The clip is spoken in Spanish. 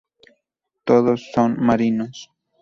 Todos son marinos.